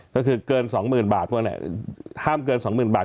ก็คือเกิน๒๐๐๐บาทพวกนี้ห้ามเกิน๒๐๐๐บาท